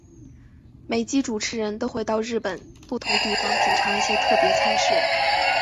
每集主持人都会到日本不同地方品尝一些特别菜式。